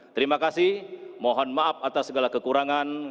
terima kasih mohon maaf atas segala kekurangan